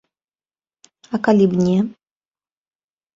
А калі б не?